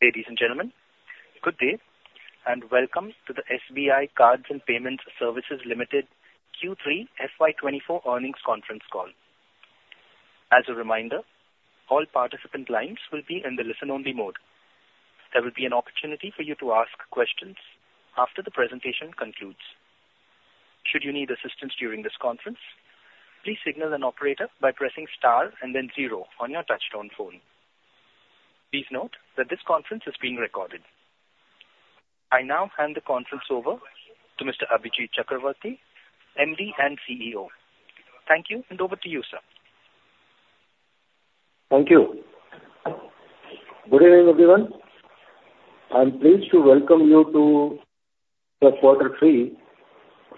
Ladies and gentlemen, good day, and welcome to the SBI Cards and Payment Services Limited Q3 FY 24 earnings conference call. As a reminder, all participant lines will be in the listen-only mode. There will be an opportunity for you to ask questions after the presentation concludes. Should you need assistance during this conference, please signal an operator by pressing star and then zero on your touchtone phone. Please note that this conference is being recorded. I now hand the conference over to Mr. Abhijit Chakravorty, MD and CEO. Thank you, and over to you, sir. Thank you. Good evening, everyone. I'm pleased to welcome you to the quarter three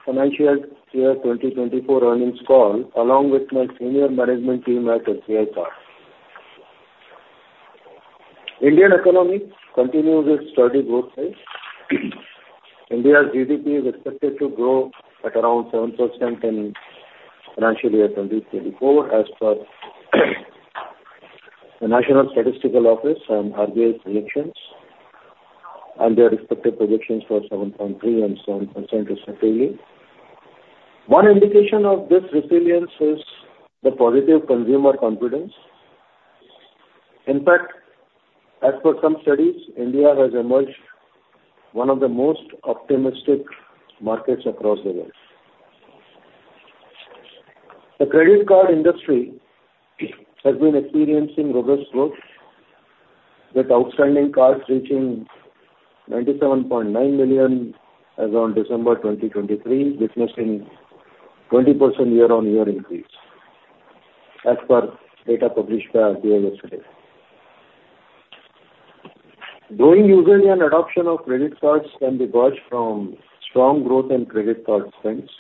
financial year 2024 earnings call, along with my senior management team at SBI Card. Indian economy continues its steady growth rate. India's GDP is expected to grow at around 7% in financial year 2024, as per the National Statistical Office and RBI's projections, and their expected projections for 7.3% and 7%, respectively. One indication of this resilience is the positive consumer confidence. In fact, as per some studies, India has emerged one of the most optimistic markets across the world. The credit card industry has been experiencing robust growth, with outstanding cards reaching 97.9 million as on December 2023, witnessing 20% year-on-year increase, as per data published by RBI yesterday. Growing user and adoption of credit cards can be gauged from strong growth in credit card spends.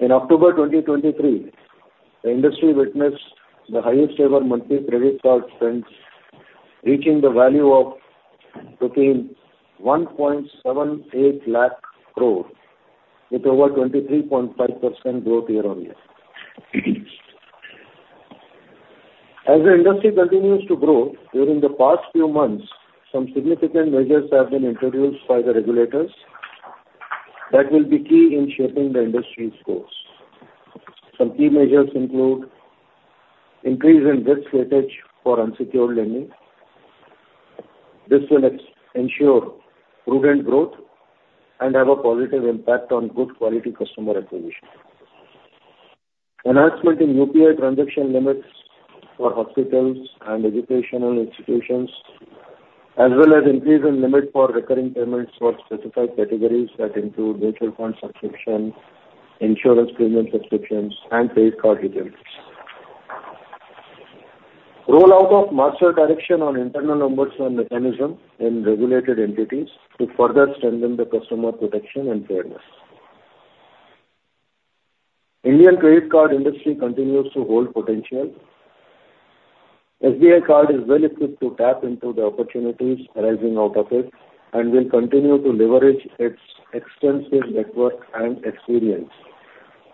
In October 2023, the industry witnessed the highest ever monthly credit card spends, reaching the value of 178,000 crore, with over 23.5% growth year-on-year. As the industry continues to grow, during the past few months, some significant measures have been introduced by the regulators that will be key in shaping the industry's course. Some key measures include increase in risk weight for unsecured lending. This will ensure prudent growth and have a positive impact on good quality customer acquisition. Enhancement in UPI transaction limits for hospitals and educational institutions, as well as increase in limit for recurring payments for specified categories that include mutual fund subscription, insurance premium subscriptions, and pay card agents. Rollout of master direction on internal ombudsman and mechanism in regulated entities to further strengthen the customer protection and fairness. Indian credit card industry continues to hold potential. SBI Card is well equipped to tap into the opportunities arising out of it, and will continue to leverage its extensive network and experience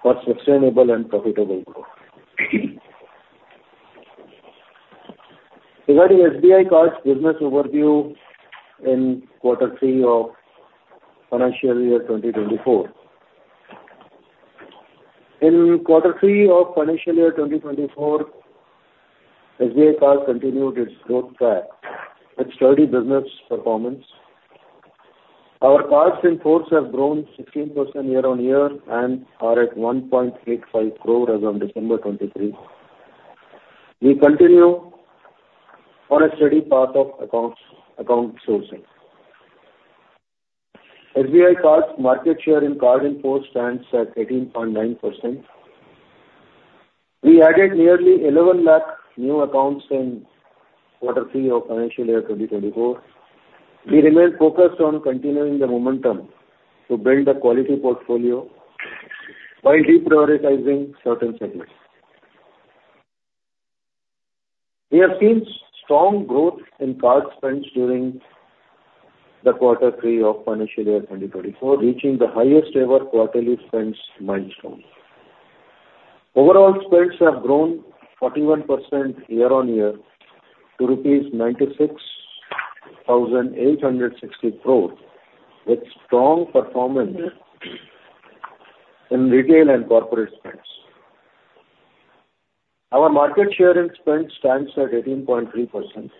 for sustainable and profitable growth. Regarding SBI Card's business overview in quarter three of financial year 2024. In quarter three of financial year 2024, SBI Card continued its growth track with sturdy business performance. Our cards in force have grown 16% year-on-year and are at 1.85 crore as on December 2023. We continue on a steady path of accounts, account sourcing. SBI Card's market share in card in force stands at 18.9%. We added nearly 11 lakh new accounts in quarter three of financial year 2024. We remain focused on continuing the momentum to build a quality portfolio while deprioritizing certain segments. We have seen strong growth in card spends during quarter three of financial year 2024, reaching the highest ever quarterly spends milestone. Overall spends have grown 41% year-on-year to rupees 96,860 crore, with strong performance in retail and corporate spends. Our market share in spends stands at 18.3%.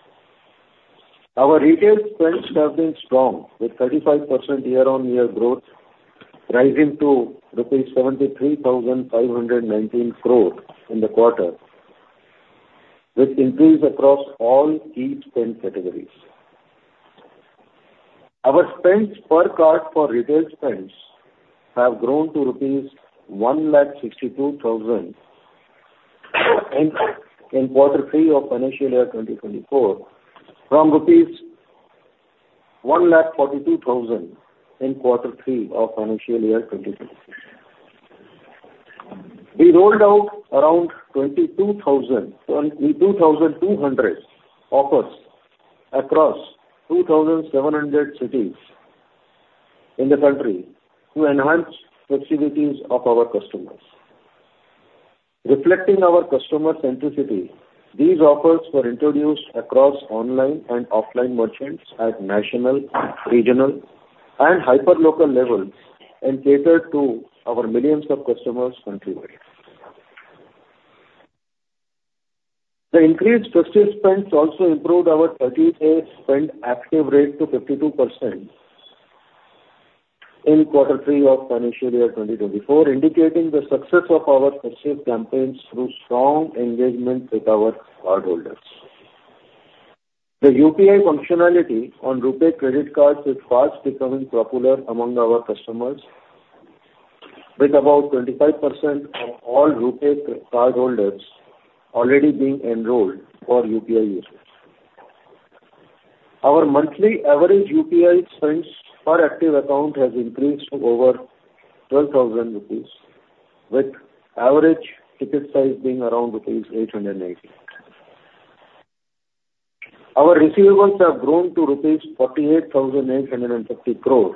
Our retail spends have been strong, with 35% year-on-year growth, rising to rupees 73,519 crore in the quarter, with increase across all key spend categories. Our spends per card for retail spends have grown to rupees 1,62,000 in quarter three of financial year 2024, from rupees 1,42,000 in quarter three of financial year 2023. We rolled out around 22,000, 22,200 offers across 2,700 cities in the country to enhance flexibilities of our customers. Reflecting our customer centricity, these offers were introduced across online and offline merchants at national, regional and hyperlocal levels, and catered to our millions of customers countrywide. The increased purchase spends also improved our 30-day spend active rate to 52% in quarter three of financial year 2024, indicating the success of our purchase campaigns through strong engagement with our cardholders. The UPI functionality on RuPay credit cards is fast becoming popular among our customers, with about 25% of all RuPay cardholders already being enrolled for UPI usage. Our monthly average UPI spends per active account has increased to over 12,000 rupees, with average ticket size being around rupees 880. Our receivables have grown to rupees 48,850 crore,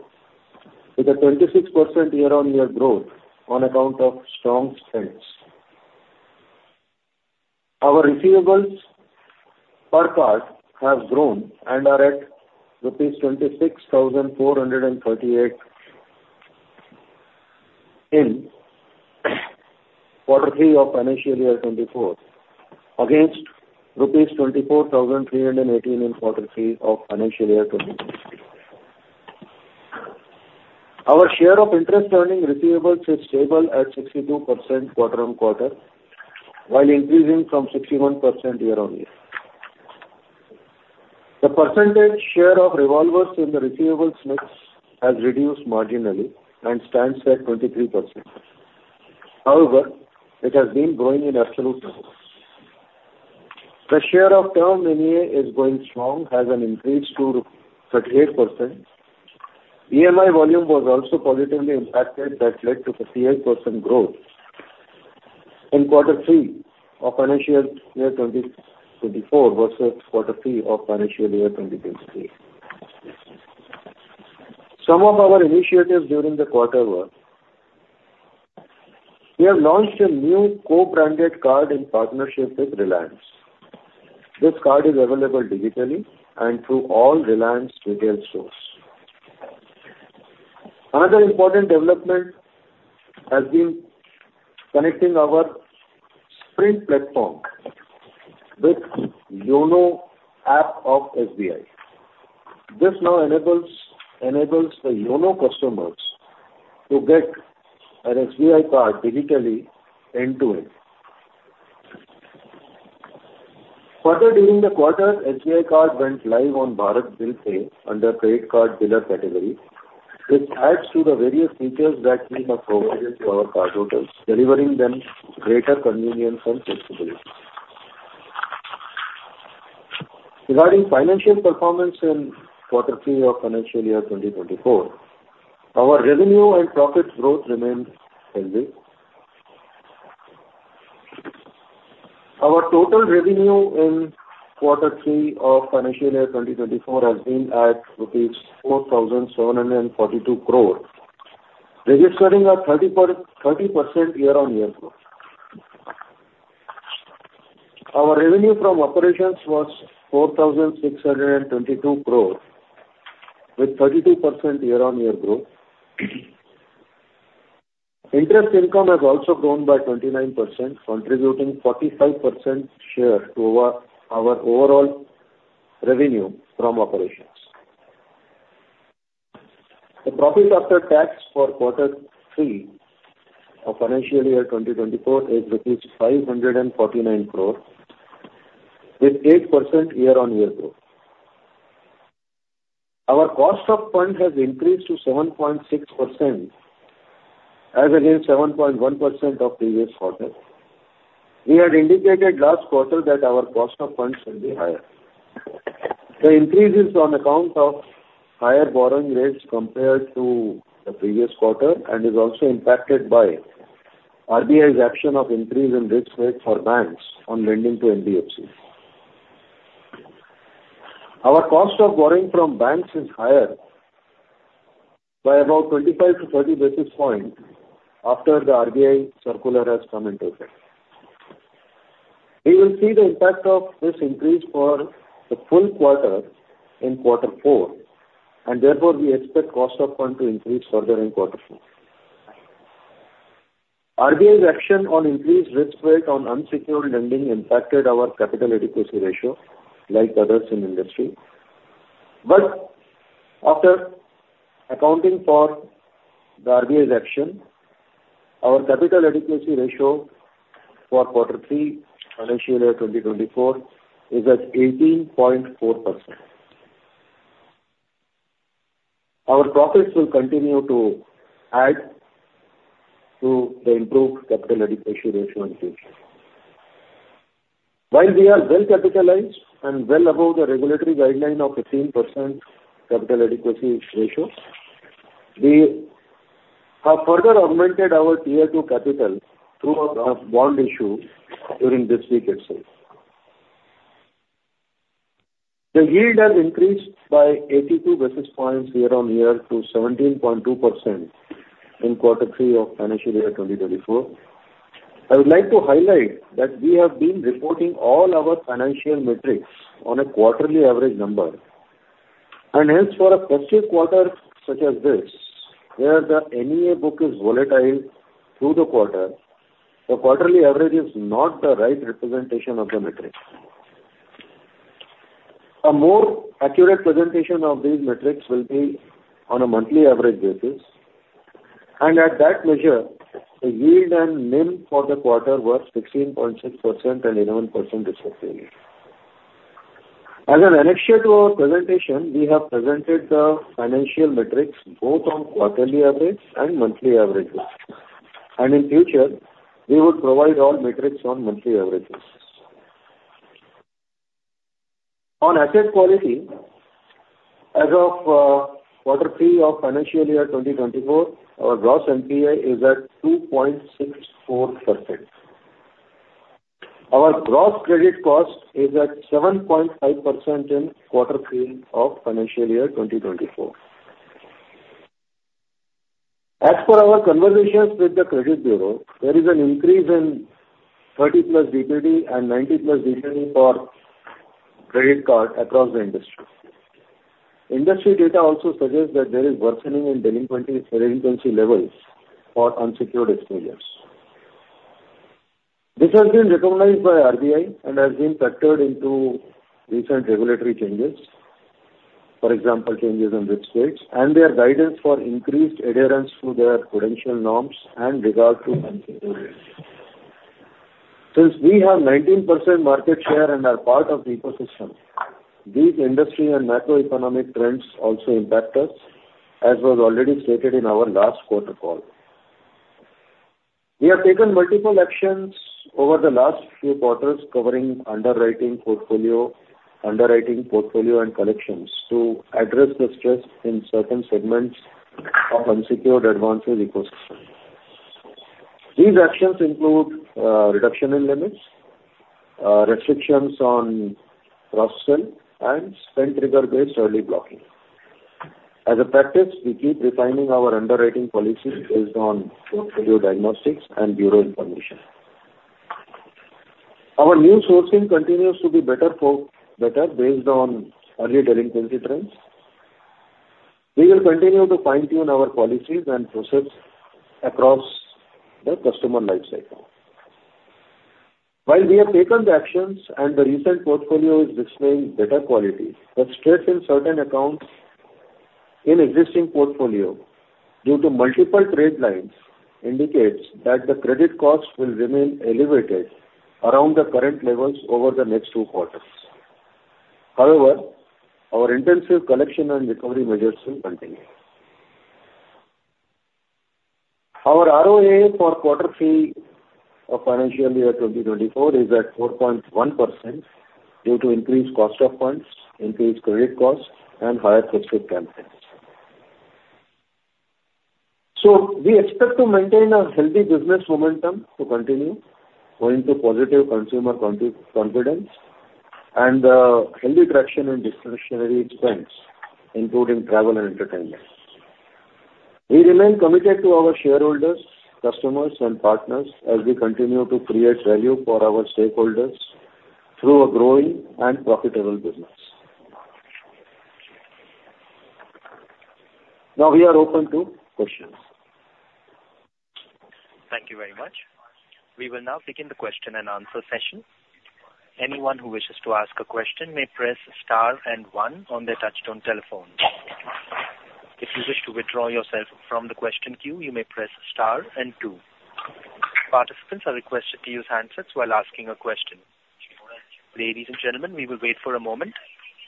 with a 26% year-on-year growth on account of strong spends. Our receivables per card have grown and are at rupees 26,438 in quarter three of financial year 2024, against INR 24,318 in quarter three of financial year 2023. Our share of interest earning receivables is stable at 62% quarter-on-quarter, while increasing from 61% year-on-year. The percentage share of revolvers in the receivables mix has reduced marginally and stands at 23%. However, it has been growing in absolute numbers. The share of term EMI is going strong, has an increase to 38%. EMI volume was also positively impacted, that led to 58% growth in quarter three of financial year 2024 versus quarter three of financial year 2023. Some of our initiatives during the quarter were: We have launched a new co-branded card in partnership with Reliance. This card is available digitally and through all Reliance Retail stores. Another important development has been connecting our Sprint platform with YONO app of SBI. This now enables the YONO customers to get an SBI Card digitally, end-to-end. Further, during the quarter, SBI Card went live on Bharat BillPay under credit card biller category, which adds to the various features that we have provided to our cardholders, delivering them greater convenience and flexibility. Regarding financial performance in quarter three of financial year 2024, our revenue and profits growth remains healthy. Our total revenue in quarter three of financial year 2024 has been at rupees 4,742 crore, registering a 30% year-on-year growth. Our revenue from operations was 4,622 crore, with 32% year-on-year growth. Interest income has also grown by 29%, contributing 45% share to our overall revenue from operations. The profits after tax for quarter three of financial year 2024 is rupees 549 crore, with 8% year-on-year growth. Our cost of fund has increased to 7.6% as against 7.1% of previous quarter. We had indicated last quarter that our cost of funds will be higher. The increase is on account of higher borrowing rates compared to the previous quarter, and is also impacted by RBI's action of increase in risk weight for banks on lending to NBFCs. Our cost of borrowing from banks is higher by about 25-30 basis points after the RBI circular has come into effect. We will see the impact of this increase for the full quarter in quarter four, and therefore, we expect cost of funds to increase further in quarter four. RBI's action on increased risk weight on unsecured lending impacted our capital adequacy ratio, like others in the industry. But after accounting for the RBI's action, our capital adequacy ratio for quarter three, financial year 2024, is at 18.4%. Our profits will continue to add to the improved capital adequacy ratio in future. While we are well capitalized and well above the regulatory guideline of 15% capital adequacy ratio, we have further augmented our Tier 2 capital through our bond issue during this week itself. The yield has increased by 82 basis points year-on-year to 17.2% in quarter three of financial year 2024. I would like to highlight that we have been reporting all our financial metrics on a quarterly average number, and hence, for a festive quarter such as this, where the NEA book is volatile through the quarter, the quarterly average is not the right representation of the metrics. A more accurate presentation of these metrics will be on a monthly average basis, and at that measure, the yield and NIM for the quarter was 16.6% and 11%, respectively. As an annexure to our presentation, we have presented the financial metrics both on quarterly average and monthly averages, and in future, we will provide all metrics on monthly averages. On asset quality, as of quarter three of financial year 2024, our gross NPA is at 2.64%. Our gross credit cost is at 7.5% in quarter three of financial year 2024. As for our conversations with the credit bureau, there is an increase in 30+ DPD and 90+ DPD for credit card across the industry. Industry data also suggests that there is worsening in delinquency, delinquency levels for unsecured exposures. This has been recognized by RBI and has been factored into recent regulatory changes, for example, changes in risk weights and their guidance for increased adherence to their prudential norms and regard to unsecured loans. Since we have 19% market share and are part of the ecosystem, these industry and macroeconomic trends also impact us, as was already stated in our last quarter call. We have taken multiple actions over the last few quarters covering underwriting portfolio, underwriting portfolio and collections to address the stress in certain segments of unsecured advances ecosystem. These actions include, reduction in limits, restrictions on cross-sell, and spend trigger-based early blocking. As a practice, we keep refining our underwriting policies based on portfolio diagnostics and bureau information. Our new sourcing continues to be better for, better based on early delinquency trends. We will continue to fine-tune our policies and process across the customer life cycle. While we have taken the actions and the recent portfolio is displaying better quality, but stress in certain accounts in existing portfolio due to multiple trade lines indicates that the credit cost will remain elevated around the current levels over the next two quarters. However, our intensive collection and recovery measures will continue. Our ROA for quarter three of financial year 2024 is at 4.1% due to increased cost of funds, increased credit costs, and higher fixed expenses. So we expect to maintain a healthy business momentum to continue, owing to positive consumer confidence and healthy traction in discretionary spends, including travel and entertainment. We remain committed to our shareholders, customers, and partners as we continue to create value for our stakeholders through a growing and profitable business. Now, we are open to questions. Thank you very much. We will now begin the question and answer session. Anyone who wishes to ask a question may press star and one on their touchtone telephone. If you wish to withdraw yourself from the question queue, you may press star and two. Participants are requested to use handsets while asking a question. Ladies and gentlemen, we will wait for a moment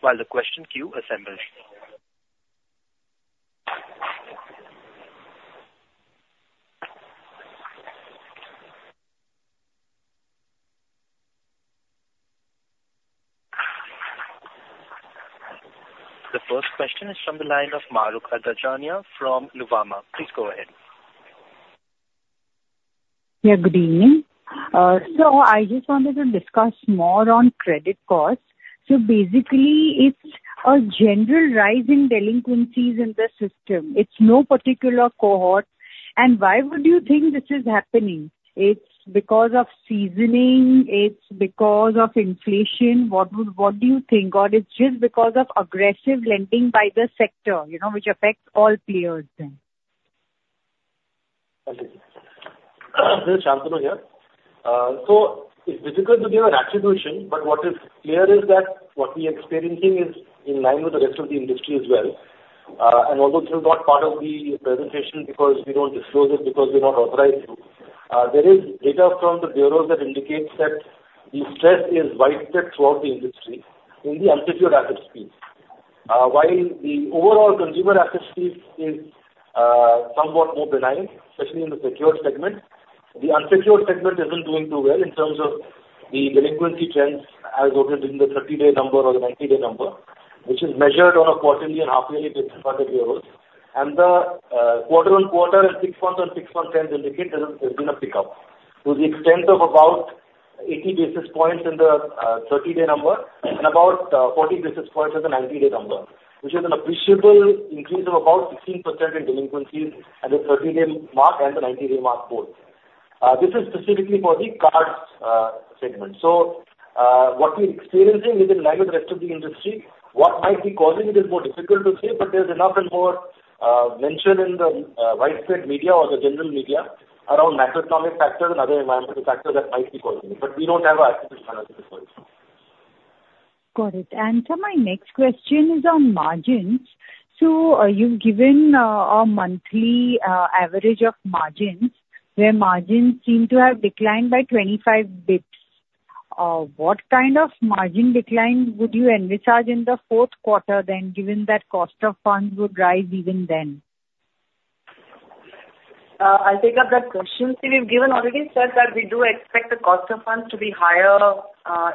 while the question queue assembles. The first question is from the line of Mahrukh Adajania from Nuvama. Please go ahead. Yeah, good evening. So I just wanted to discuss more on credit costs. So basically, it's a general rise in delinquencies in the system. It's no particular cohort. And why would you think this is happening? It's because of seasoning? It's because of inflation? What would... What do you think? Or it's just because of aggressive lending by the sector, you know, which affects all players then? This is Shantanu here. So it's difficult to give an attribution, but what is clear is that what we are experiencing is in line with the rest of the industry as well. And although it is not part of the presentation, because we don't disclose it, because we're not authorized to, there is data from the bureaus that indicates that the stress is widespread throughout the industry in the unsecured asset space. While the overall consumer asset space is somewhat more benign, especially in the secured segment, the unsecured segment isn't doing too well in terms of the delinquency trends, as noted in the 30-day number or the 90-day number, which is measured on a quarterly and half-yearly basis by the bureaus. And the quarter-on-quarter and six months on six months ends indicate there's been a pickup. to the extent of about 80 basis points in the 30-day number and about 40 basis points in the 90-day number, which is an appreciable increase of about 16% in delinquencies at the 30-day mark and the 90-day mark both. This is specifically for the card segment. So, what we're experiencing is in line with the rest of the industry. What might be causing it is more difficult to say, but there's enough and more mention in the widespread media or the general media around macroeconomic factors and other environmental factors that might be causing it, but we don't have a accurate analysis for it. Got it. And so my next question is on margins. So, you've given a monthly average of margins, where margins seem to have declined by 25 bps. What kind of margin decline would you envisage in the fourth quarter then, given that cost of funds would rise even then? I'll take up that question. So we've already said that we do expect the cost of funds to be higher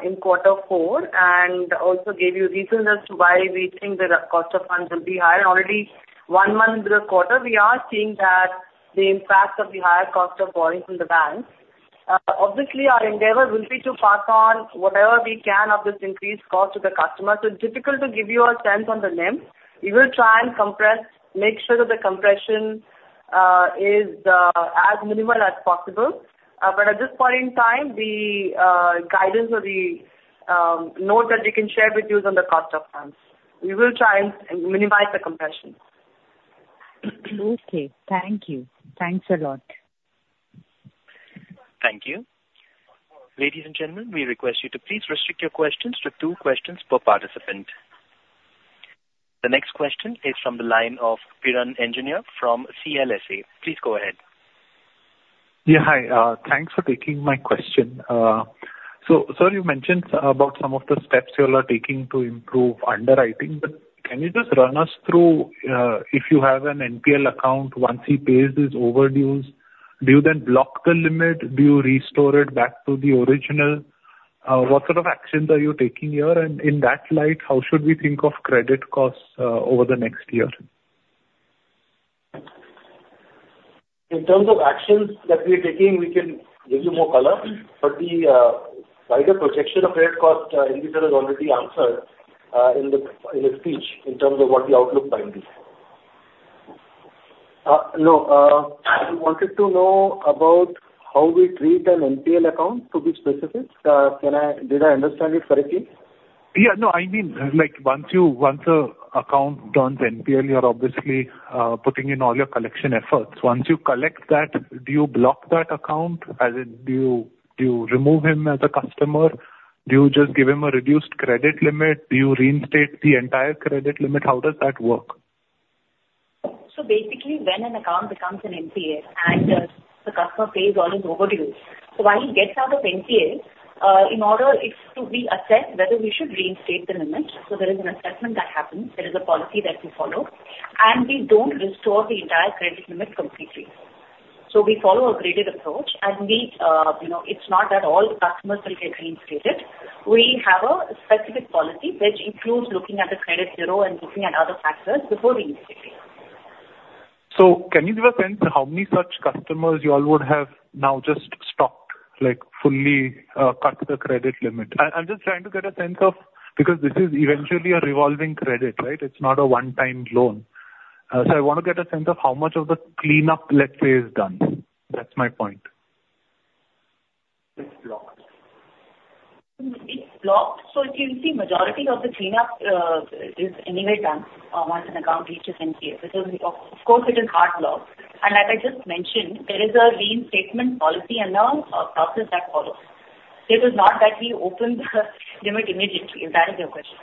in quarter four, and also gave you reasons as to why we think that the cost of funds will be higher. Already one month into the quarter, we are seeing the impact of the higher cost of borrowing from the banks. Obviously, our endeavor will be to pass on whatever we can of this increased cost to the customer. So it's difficult to give you a sense on the NIM. We will try and compress, make sure that the compression is as minimal as possible. But at this point in time, the guidance or the note that we can share with you is on the cost of funds. We will try and minimize the compression. Okay. Thank you. Thanks a lot. Thank you. Ladies and gentlemen, we request you to please restrict your questions to two questions per participant. The next question is from the line of Piran Engineer from CLSA. Please go ahead. Yeah, hi. Thanks for taking my question. So, sir, you mentioned about some of the steps you all are taking to improve underwriting, but can you just run us through if you have an NPL account, once he pays his overdues, do you then block the limit? Do you restore it back to the original? What sort of actions are you taking here? And in that light, how should we think of credit costs over the next year? In terms of actions that we are taking, we can give you more color, but the wider projection of credit cost, Abhijit has already answered, in the, in his speech, in terms of what the outlook might be. No, I wanted to know about how we treat an NPL account, to be specific. Can I... Did I understand it correctly? Yeah. No, I mean, like, once an account turns NPL, you are obviously putting in all your collection efforts. Once you collect that, do you block that account? As in, do you remove him as a customer? Do you just give him a reduced credit limit? Do you reinstate the entire credit limit? How does that work? So basically, when an account becomes an NPL and the customer pays all his overdue, so while he gets out of NPL, in order it to be assessed whether we should reinstate the limit, so there is an assessment that happens. There is a policy that we follow, and we don't restore the entire credit limit completely. So we follow a graded approach, and we, you know, it's not that all the customers will get reinstated. We have a specific policy which includes looking at the credit bureau and looking at other factors before reinstating. Can you give a sense of how many such customers you all would have now just stopped, like, fully, cut the credit limit? I'm just trying to get a sense of... Because this is eventually a revolving credit, right? It's not a one-time loan. I want to get a sense of how much of the cleanup, let's say, is done. That's my point. It's blocked. It's blocked, so you see, majority of the cleanup is anyway done once an account reaches NPL. Because, of course, it is hard blocked. And as I just mentioned, there is a reinstatement policy and a process that follows. It is not that we open the limit immediately. Is that is your question?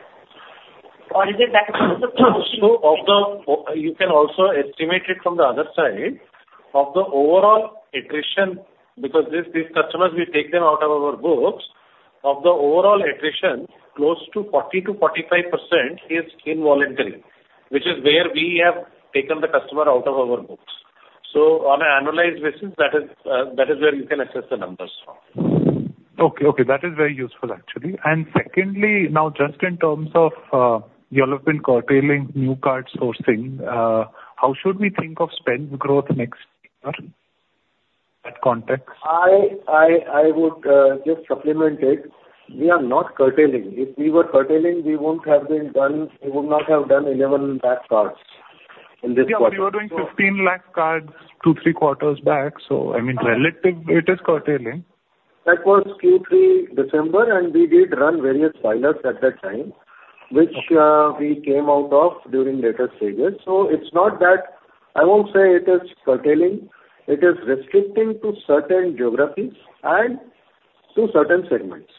Or is it that...? So of the, you can also estimate it from the other side. Of the overall attrition, because these, these customers, we take them out of our books, of the overall attrition, close to 40%-45% is involuntary, which is where we have taken the customer out of our books. So on an annualized basis, that is, that is where you can assess the numbers from. Okay, okay. That is very useful, actually. And secondly, now, just in terms of, you all have been curtailing new card sourcing, how should we think of spend growth next year at context? I would just supplement it. We are not curtailing. If we were curtailing, we won't have been done - we would not have done 11 bank cards in this quarter. Yeah, but you were doing 15 lakh cards two-three quarters back, so I mean, relatively, it is curtailing. That was Q3, December, and we did run various pilots at that time which we came out of during later stages. So it's not that... I won't say it is curtailing. It is restricting to certain geographies and to certain segments.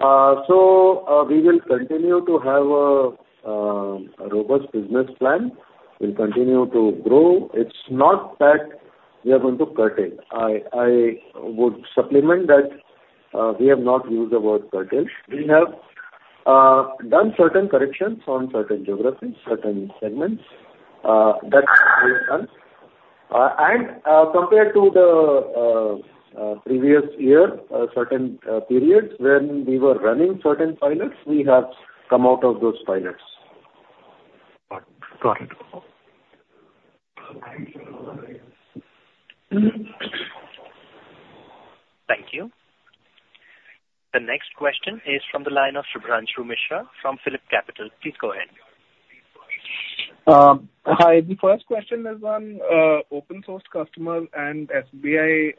So we will continue to have a robust business plan. We'll continue to grow. It's not that we are going to curtail. I would supplement that, we have not used the word curtail. We have done certain corrections on certain geographies, certain segments that we have done. And compared to the previous year, certain periods when we were running certain pilots, we have come out of those pilots. Got it. Thank you. The next question is from the line of Shubhranshu Mishra from PhillipCapital. Please go ahead. Hi. The first question is on open sourced customer and SBI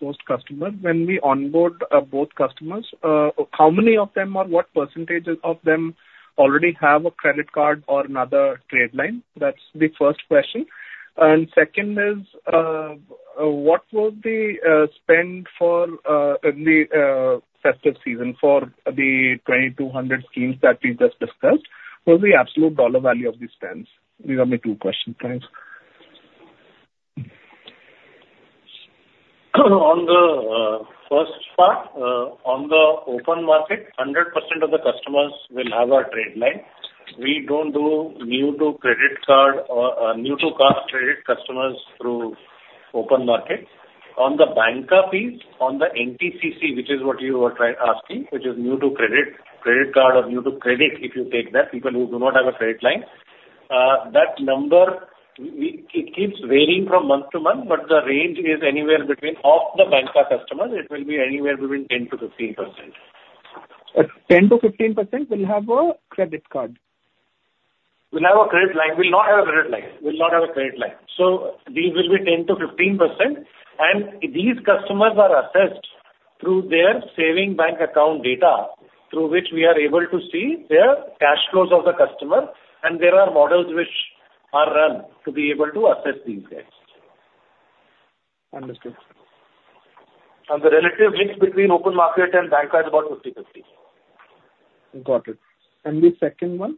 sourced customer. When we onboard both customers, how many of them or what percentage of them already have a credit card or another trade line? That's the first question. Second is, what was the spend for in the festive season for the 2,200 schemes that we just discussed? What's the absolute dollar value of the spends? These are my two questions. Thanks. On the first part, on the open market, 100% of the customers will have a trade line. We don't do new to credit card or new to card credit customers through open market. On the banca piece, on the NTCC, which is what you were asking, which is new to credit, credit card or new to credit, if you take that, people who do not have a credit line. That number, we, it keeps varying from month to month, but the range is anywhere between, of the banca customers, it will be anywhere between 10%-15%. 10%-15% will have a credit card? Will have a credit line. Will not have a credit line, will not have a credit line. So these will be 10%-15%, and these customers are assessed through their savings bank account data, through which we are able to see their cash flows of the customer, and there are models which are run to be able to assess these guys. Understood. The relative mix between open market and banca is about 50/50. Got it. And the second one?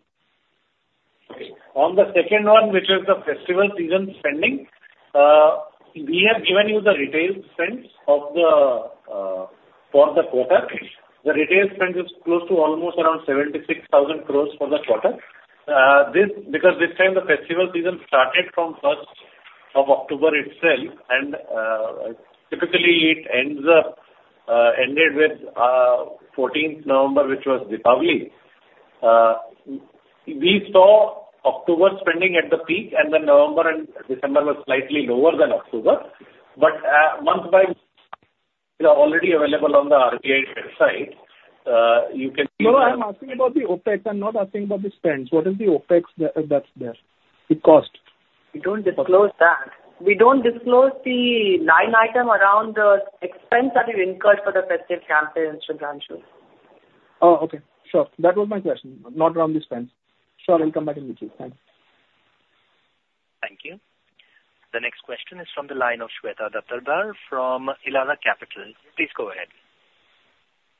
On the second one, which is the festival season spending, we have given you the retail spends of the for the quarter. The retail spend is close to almost around 76,000 crore for the quarter. This, because this time the festival season started from first of October itself, and typically it ends up ended with fourteenth November, which was Diwali. We saw October spending at the peak, and then November and December was slightly lower than October. But month by, they are already available on the RBI website. You can see No, I am asking about the OpEx. I'm not asking about the spends. What is the OpEx that, that's there, the cost? We don't disclose that. We don't disclose the line item around the expense that we incurred for the festive campaign, Shubhranshu. Oh, okay. Sure. That was my question, not around the spends. Sure, I'll come back and with you. Thanks. Thank you. The next question is from the line of Shweta Daptardar from Elara Capital. Please go ahead.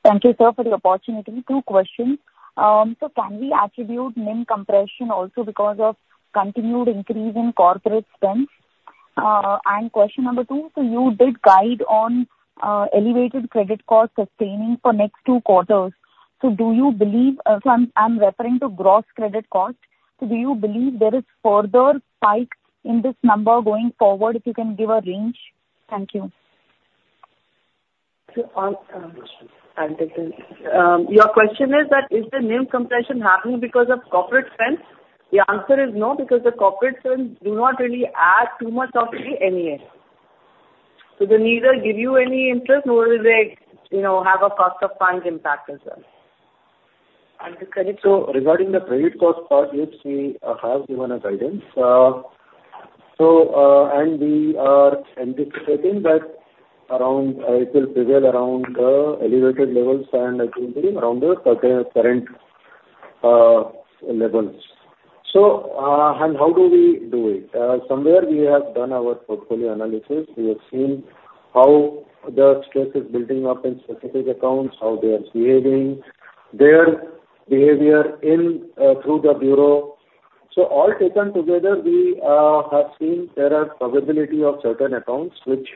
Thank you, sir, for the opportunity. Two questions. So can we attribute NIM compression also because of continued increase in corporate spends? And question number two, so you did guide on elevated credit cost sustaining for next two quarters. So do you believe, so I'm referring to gross credit cost. So do you believe there is further spike in this number going forward? If you can give a range. Thank you. So, on your question, is the NIM compression happening because of corporate spends? The answer is no, because the corporate spends do not really add too much of the NUA. So they neither give you any interest, nor do they, you know, have a cost of funds impact as well. Understood. So regarding the credit cost part, yes, we have given a guidance. So, and we are anticipating that around, it will prevail around the elevated levels and I think around the current levels. So, and how do we do it? Somewhere we have done our portfolio analysis. We have seen how the stress is building up in specific accounts, how they are behaving, their behavior in, through the bureau. So all taken together, we have seen there are possibility of certain accounts which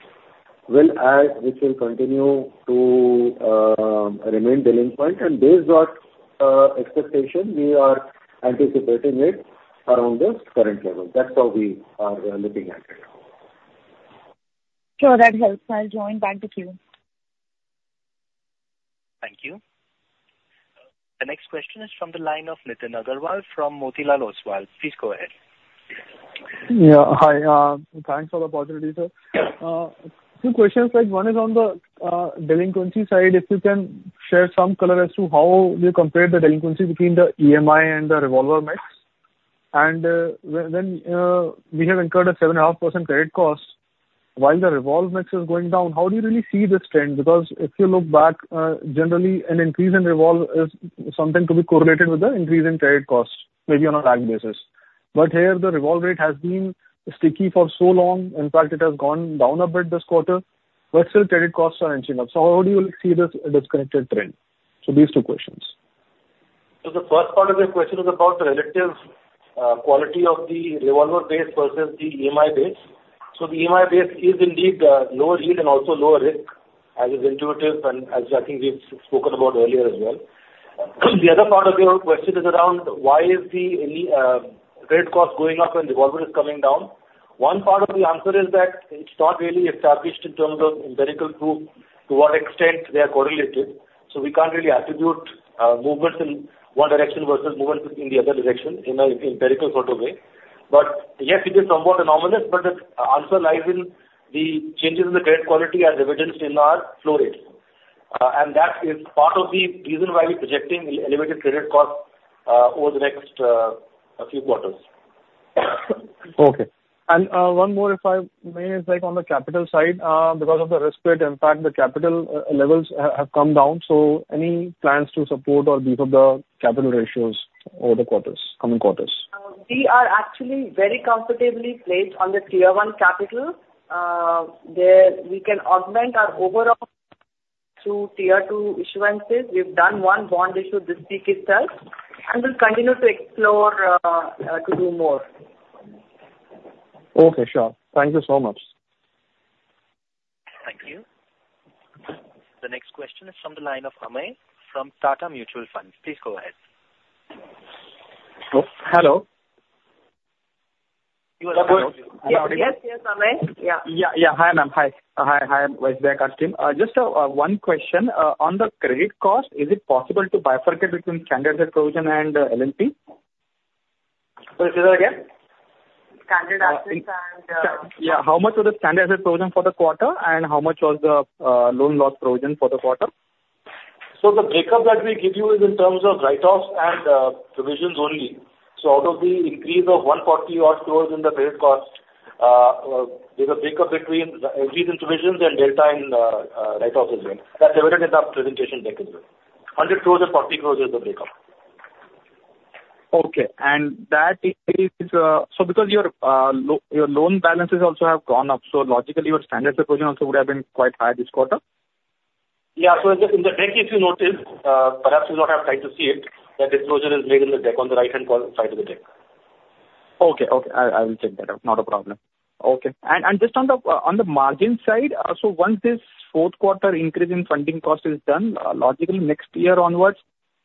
will add, which will continue to remain delinquent, and based on expectation, we are anticipating it around the current level. That's how we are looking at it. Sure. That helps. I'll join back to queue. Thank you. The next question is from the line of Nitin Aggarwal from Motilal Oswal. Please go ahead. Yeah. Hi, thanks for the opportunity, sir. Two questions for you. One is on the delinquency side. If you can share some color as to how you compare the delinquency between the EMI and the revolver mix. And then we have incurred a 7.5% credit cost while the revolve mix is going down. How do you really see this trend? Because if you look back, generally, an increase in revolve is something to be correlated with the increase in credit costs, maybe on a lag basis. But here, the revolve rate has been sticky for so long. In fact, it has gone down a bit this quarter, but still, credit costs are inching up. So how do you see this disconnected trend? So these two questions. So the first part of your question is about the relative quality of the revolver base versus the EMI base. So the EMI base is indeed lower yield and also lower risk, as is intuitive and as I think we've spoken about earlier as well. The other part of your question is around why is the credit cost going up and revolver is coming down? One part of the answer is that it's not really established in terms of empirical proof to what extent they are correlated, so we can't really attribute movements in one direction versus movements in the other direction in an empirical sort of way. But yes, it is somewhat anomalous, but the answer lies in the changes in the credit quality as evidenced in our flow rate. That is part of the reason why we're projecting the elevated credit cost over the next few quarters. Okay. And, one more if I may, is, like, on the capital side. Because of the risk weight impact, the capital levels have come down, so any plans to support or beef up the capital ratios over the quarters, coming quarters? We are actually very comfortably placed on the Tier 1 capital. There we can augment our overall through Tier 1i issuances. We've done one bond issue this week itself, and we'll continue to explore to do more. Okay, sure. Thank you so much. Thank you. The next question is from the line of Amey from Tata Mutual Fund. Please go ahead. Hello? Yes, Amey? Yeah, yeah. Hi, ma'am. Hi, Rashmi Mohanty. Just one question. On the credit cost, is it possible to bifurcate between standard asset provision and LNP? Sorry, say that again? Standard assets and, Yeah, how much was the standard asset provision for the quarter, and how much was the loan loss provision for the quarter? The breakup that we give you is in terms of write-offs and provisions only. Out of the increase of 140-odd crores in the credit cost, there's a breakup between the increase in provisions and delta in write-offs as well. That's evident in the presentation deck as well. 100 crores and 40 crores is the breakup. Okay. And that is, so because your loan balances also have gone up, so logically, your standard asset provision also would have been quite high this quarter? Yeah. So in the deck, if you notice, perhaps you not have time to see it, that disclosure is made in the deck on the right-hand side of the deck. Okay, okay. I will check that out. Not a problem. Okay. And just on the margin side, so once this fourth quarter increase in funding cost is done, logically next year onwards,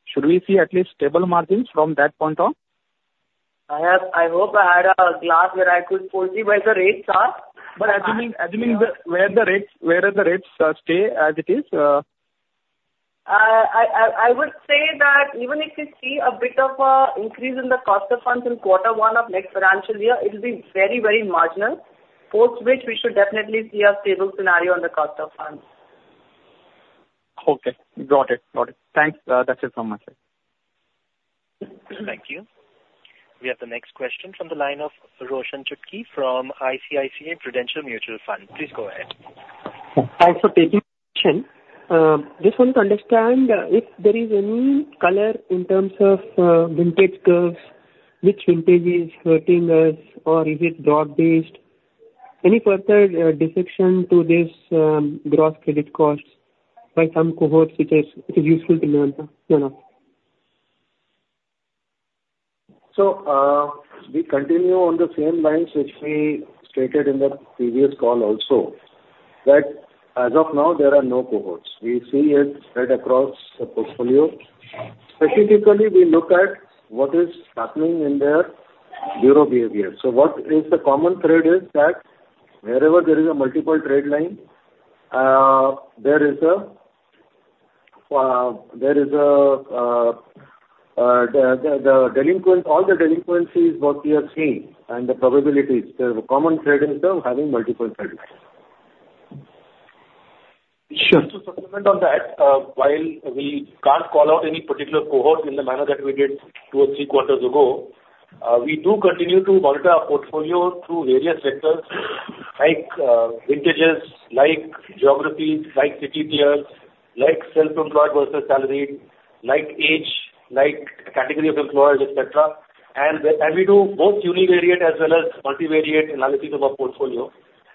should we see at least stable margins from that point on? I have. I hope I had a glass where I could foresee where the rates are. But assuming the rates stay as it is? I would say that even if you see a bit of an increase in the cost of funds in quarter one of next financial year, it will be very, very marginal, post which we should definitely see a stable scenario on the cost of funds. Okay, got it. Got it. Thanks. That's it from my side. Thank you. We have the next question from the line of Roshan Chhutani from ICICI Prudential Mutual Fund. Please go ahead. Thanks for taking question. Just want to understand if there is any color in terms of vintage curves, which vintage is hurting us, or is it job based? Any further dissection to this gross credit costs by some cohorts, which is, it is useful to learn from, you know. So, we continue on the same lines which we stated in the previous call also, that as of now, there are no cohorts. We see it right across the portfolio. Specifically, we look at what is happening in their bureau behavior. So what is the common thread is that wherever there is a multiple trade line, there is the delinquent, all the delinquencies what we are seeing and the probabilities, there's a common thread in terms of having multiple trade lines. Sure. To supplement on that, while we can't call out any particular cohort in the manner that we did two or three quarters ago, we do continue to monitor our portfolio through various vectors, like, vintages, like geographies, like city tiers, like self-employed versus salaried, like age, like category of employers, et cetera. And, and we do both univariate as well as multivariate analysis of our portfolio.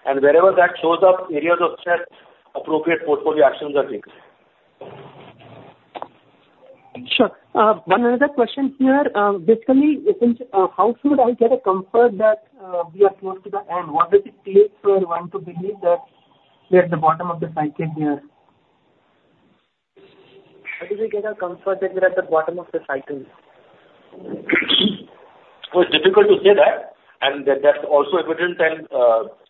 And wherever that shows up areas of stress, appropriate portfolio actions are taken. Sure. One another question here. Basically, how should I get a comfort that we are close to the end? What is it clear for one to believe that we're at the bottom of the cycle here? How do we get a comfort that we're at the bottom of the cycle? Well, it's difficult to say that, and that's also evident and,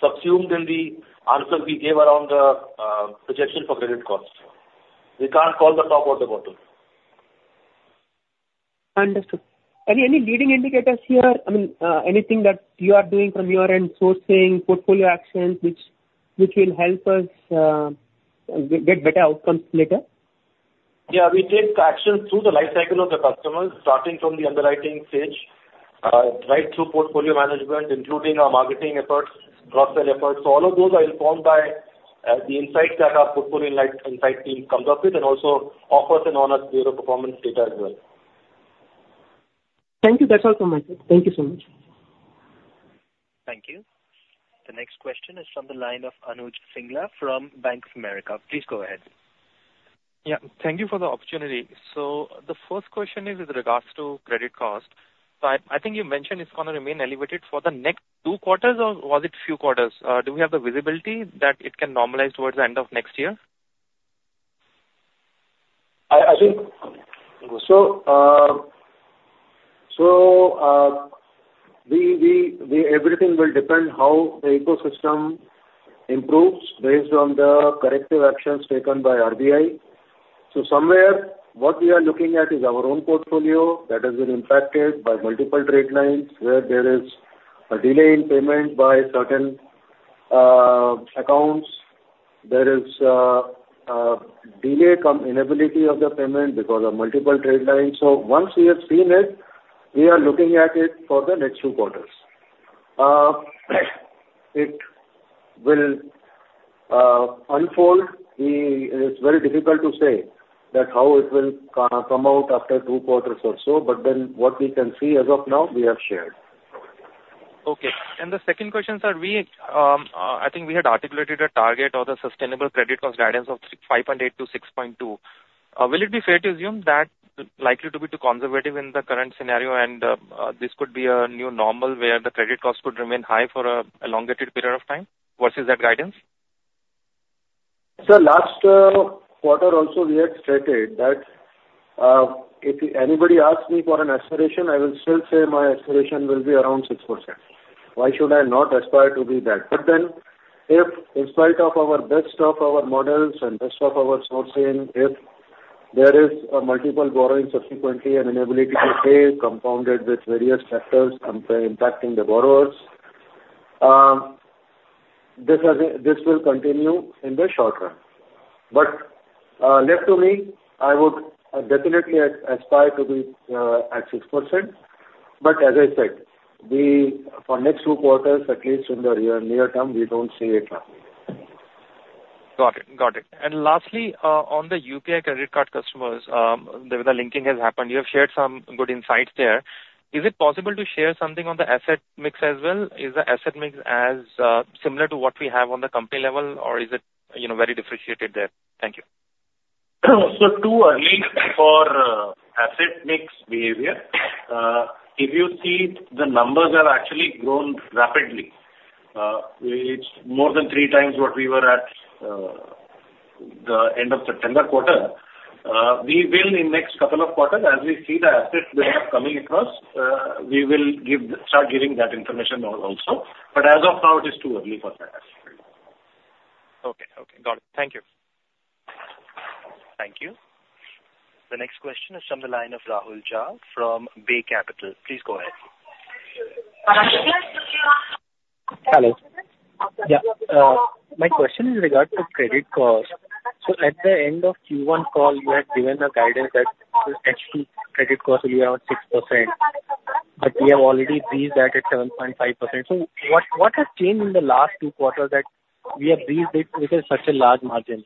subsumed in the answer we gave around the, projection for credit costs. We can't call the top or the bottom. Understood. Any leading indicators here? I mean, anything that you are doing from your end, sourcing, portfolio actions, which will help us get better outcomes later? Yeah, we take action through the lifecycle of the customers, starting from the underwriting stage, right through portfolio management, including our marketing efforts, cross-sell efforts. So all of those are informed by the insights that our portfolio insight team comes up with and also offers an honest view of performance data as well. Thank you. That's all from my side. Thank you so much. Thank you. The next question is from the line of Anuj Singla from Bank of America. Please go ahead. Yeah, thank you for the opportunity. The first question is with regards to credit cost. I, I think you mentioned it's going to remain elevated for the next two quarters or was it few quarters? Do we have the visibility that it can normalize towards the end of next year? Yeah, I think, so, everything will depend how the ecosystem improves based on the corrective actions taken by RBI. So somewhere, what we are looking at is our own portfolio that has been impacted by multiple trade lines, where there is a delay in payment by certain accounts. There is a delay cum inability of the payment because of multiple trade lines. So once we have seen it, we are looking at it for the next two quarters. It will unfold. It's very difficult to say that how it will come out after two quarters or so, but then what we can see as of now, we have shared. Okay. And the second question, sir, I think we had articulated a target or the sustainable credit cost guidance of 5.8%-6.2%. Will it be fair to assume that likely to be too conservative in the current scenario, and this could be a new normal, where the credit cost could remain high for an elongated period of time versus that guidance? Sir, last quarter also, we had stated that if anybody asks me for an aspiration, I will still say my aspiration will be around 6%. Why should I not aspire to be that? But then, if in spite of our best of our models and best of our sourcing, if there is a multiple borrowing subsequently and inability to pay, compounded with various factors impacting the borrowers, this has a... This will continue in the short run. But left to me, I would definitely aspire to be at 6%, but as I said, we for next two quarters, at least in the near term, we don't see it happening. Got it. Got it. And lastly, on the UPI credit card customers, where the linking has happened, you have shared some good insights there. Is it possible to share something on the asset mix as well? Is the asset mix as similar to what we have on the company level, or is it, you know, very differentiated there? Thank you. So, too early for asset mix behavior. If you see, the numbers have actually grown rapidly. It's more than 3x what we were at the end of September quarter. We will, in next couple of quarters, as we see the assets coming across, we will give, start giving that information out also, but as of now, it is too early for that. Okay. Okay. Got it. Thank you. Thank you. The next question is from the line of Rahul Jha, from Bay Capital. Please go ahead. Hello. Yeah, my question is regarding credit cost. So at the end of Q1 call, you had given a guidance that the H2 credit cost will be around 6%, but we have already breached that at 7.5%. So what has changed in the last two quarters that we have breached it with such a large margin?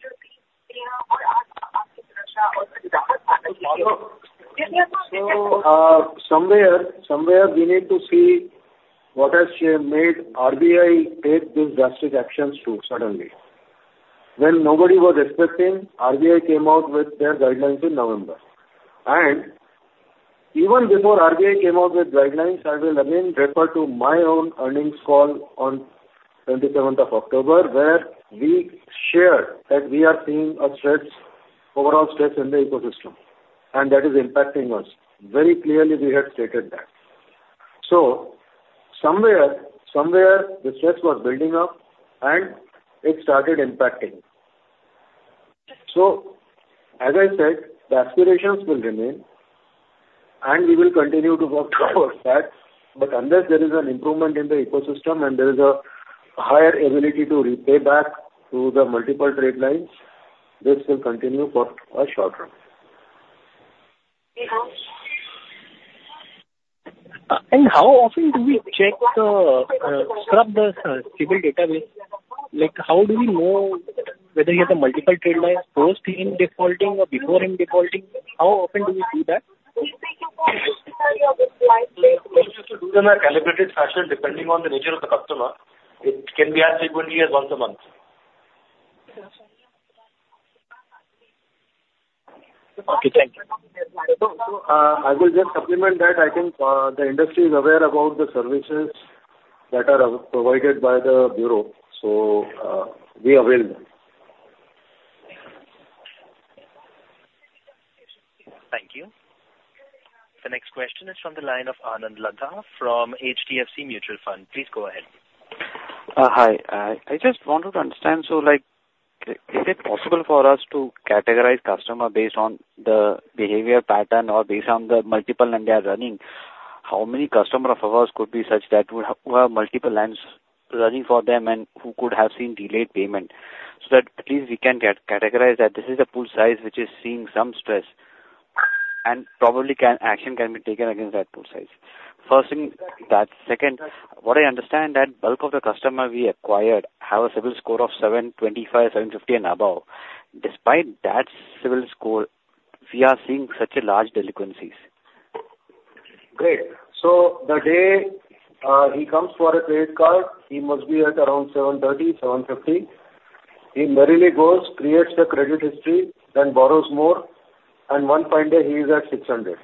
So, somewhere, somewhere we need to see what has made RBI take these drastic actions too suddenly. When nobody was expecting, RBI came out with their guidelines in November. And even before RBI came out with guidelines, I will again refer to my own earnings call on 27th of October, where we shared that we are seeing a stress, overall stress in the ecosystem, and that is impacting us. Very clearly, we had stated that. So somewhere, somewhere, the stress was building up and it started impacting. So as I said, the aspirations will remain, and we will continue to work towards that, but unless there is an improvement in the ecosystem and there is a higher ability to repay back to the multiple trade lines, this will continue for a short run. How often do we check the, scrub the CIBIL database? Like, how do we know whether you have a multiple trade lines, post in defaulting or before in defaulting? How often do we do that? Those are calibrated fashion, depending on the nature of the customer. It can be as frequent as once a month. Okay, thank you. So, I will just supplement that, I think, the industry is aware about the services that are provided by the bureau, so, we avail them. Thank you. The next question is from the line of Anand Laddha from HDFC Mutual Fund. Please go ahead. Hi, I just wanted to understand, so like, is it possible for us to categorize customer based on the behavior pattern or based on the multiple and they are running? How many customer of ours could be such that would who have multiple lines running for them and who could have seen delayed payment, so that at least we can categorize that this is a pool size which is seeing some stress, and probably can, action can be taken against that pool size. First, thing that, second, what I understand that bulk of the customer we acquired have a CIBIL score of 725, 750, and above. Despite that CIBIL score, we are seeing such a large delinquencies. Great! So the day he comes for a credit card, he must be at around 730, 750. He merrily goes, creates the credit history, then borrows more, and one fine day, he is at 600.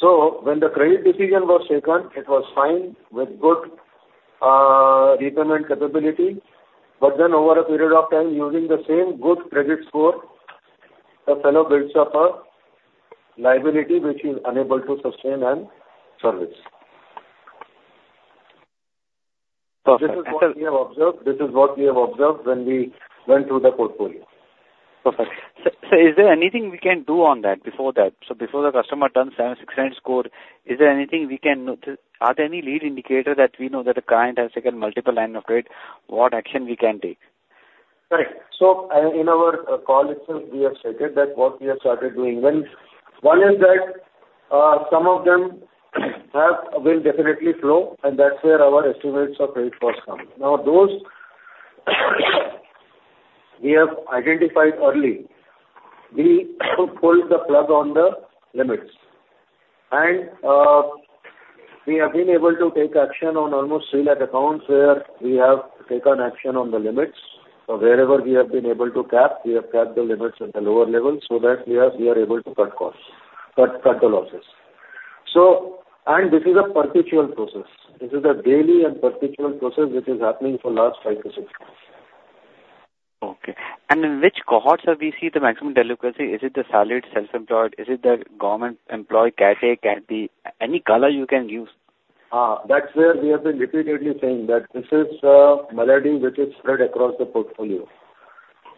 So when the credit decision was taken, it was fine with good repayment capability, but then over a period of time, using the same good credit score, the fellow builds up a liability which he's unable to sustain and service. Perfect. This is what we have observed, this is what we have observed when we went through the portfolio. Perfect. So, so is there anything we can do on that before that? So before the customer turns 769 score, is there anything we can? No, just are there any lead indicators that we know that the client has taken multiple line of credit, what action we can take? Right. So, in our call itself, we have stated that what we have started doing. When one is that, some of them have, will definitely flow, and that's where our estimates of credit costs come. Now, those, we have identified early, we pull the plug on the limits. And, we have been able to take action on almost 300,000 accounts, where we have taken action on the limits or wherever we have been able to cap, we have capped the limits at a lower level so that we are, we are able to cut costs, cut, cut the losses. So, and this is a perpetual process. This is a daily and perpetual process which is happening for last five to six months. Okay. In which cohorts have we seen the maximum delinquency? Is it the salaried, self-employed? Is it the government employee category? Can be any color you can use? Ah! That's where we have been repeatedly saying that this is a malady which is spread across the portfolio.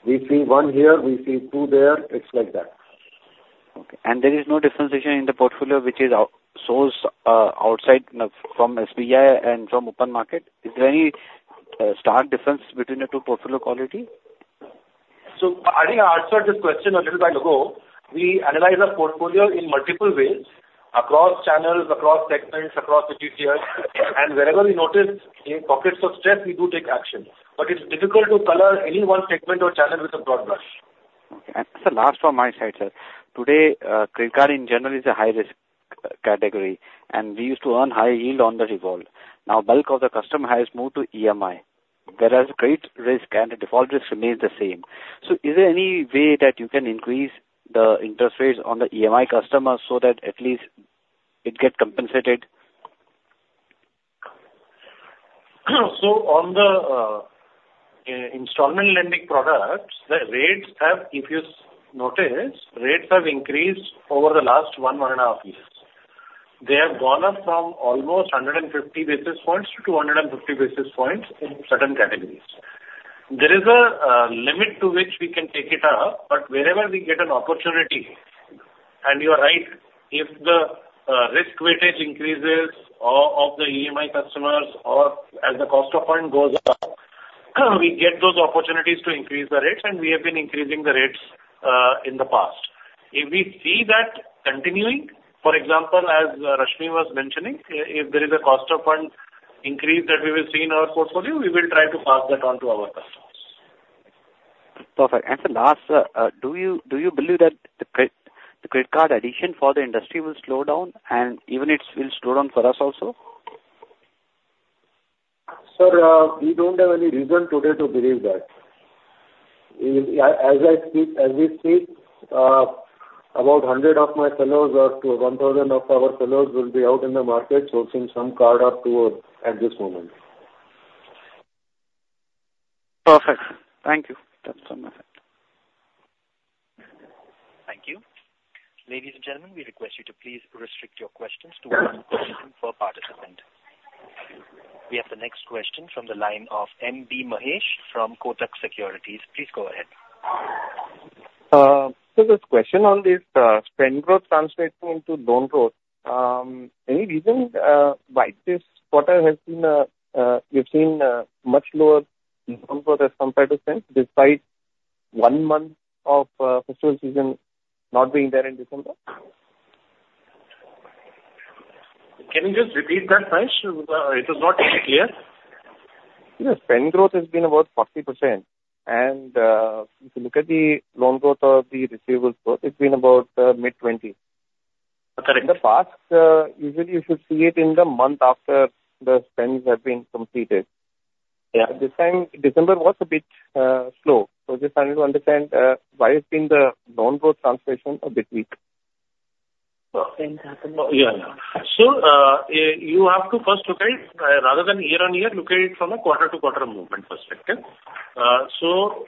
We see one here, we see two there, it's like that. Okay. And there is no differentiation in the portfolio which is outsourced outside from SBI and from open market? Is there any stark difference between the two portfolio quality? So I think I answered this question a little while ago. We analyze our portfolio in multiple ways, across channels, across segments, across the tiers. And wherever we notice in pockets of stress, we do take action. But it's difficult to color any one segment or channel with a broad brush. Okay. And sir, last from my side, sir. Today, credit card in general is a high risk category, and we used to earn high yield on the revolve. Now, bulk of the customer has moved to EMI, whereas credit risk and the default risk remains the same. So is there any way that you can increase the interest rates on the EMI customers so that at least it gets compensated? So on the, in installment lending products, the rates have, if you notice, rates have increased over the last one, one and a half years. They have gone up from almost 150 basis points to 250 basis points in certain categories. There is a, limit to which we can take it up, but wherever we get an opportunity, and you are right, if the, risk weight increases, or of the EMI customers or as the cost of funds goes up, we get those opportunities to increase the rates, and we have been increasing the rates, in the past. If we see that continuing, for example, as, Rashmi was mentioning, if there is a cost of funds increase that we will see in our portfolio, we will try to pass that on to our customers. Perfect. And the last, do you believe that the credit card addition for the industry will slow down, and even it will slow down for us also? Sir, we don't have any reason today to believe that. As I speak, as we speak, about 100 of my fellows or 1,000 of our fellows will be out in the market sourcing some card or two at this moment. Perfect. Thank you. That's from my side. Thank you. Ladies and gentlemen, we request you to please restrict your questions to one question per participant. We have the next question from the line of MB Mahesh from Kotak Securities. Please go ahead. So this question on this spend growth translating into loan growth. Any reason why this quarter has been, we've seen, much lower loan growth as compared to spend, despite one month of festival season not being there in December? Can you just repeat that, Mahesh? It is not clear. Yes, spend growth has been about 40%. If you look at the loan growth or the receivables growth, it's been about mid-20. Correct. In the past, usually you should see it in the month after the spends have been completed. Yeah. This time, December was a bit slow. So just trying to understand why has been the loan growth translation a bit weak? Well, same happened. Yeah. So, you have to first look at, rather than year-on-year, look at it from a quarter-to-quarter movement perspective. So